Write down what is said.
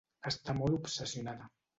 Està molt obsessionada.